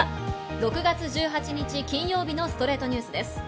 ６月１８日、金曜日の『ストレイトニュース』です。